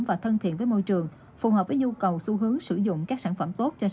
và được chứng nhận